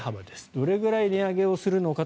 どれぐらい値上げするのか